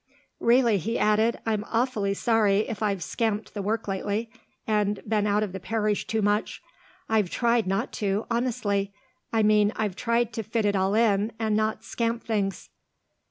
"Really," he added, "I'm awfully sorry if I've scamped the work lately, and been out of the parish too much. I've tried not to, honestly I mean I've tried to fit it all in and not scamp things."